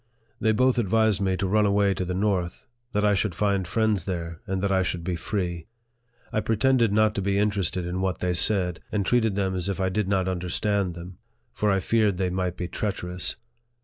They both advised me to run away to the north ; that I should find friends there, and that I should be free. I pre tended not to be interested in what they said, and treated them as if I did not understand them ; for I feared they might be treacherous.